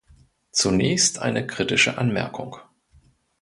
Zunächst eine kritische Anmerkung.